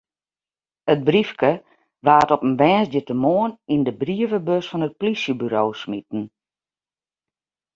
It briefke waard op in woansdeitemoarn yn de brievebus fan it polysjeburo smiten.